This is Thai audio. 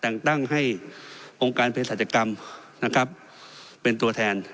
แต่งตั้งให้องค์การเพศรัชกรรมนะครับเป็นตัวแทน